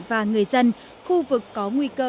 và người dân khu vực có nguy cơ